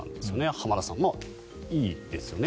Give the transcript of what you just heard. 浜田さん、いいですよね。